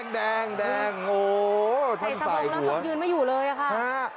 แดงส่านไบขึ้นมา